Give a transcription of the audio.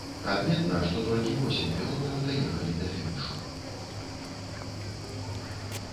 Адметна, што толькі восем пілотаў даехалі да фінішу.